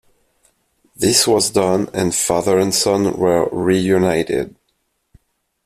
This was done, and father and son were reunited.